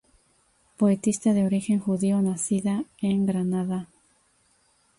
Poetisa de origen judío, nacida en Granada.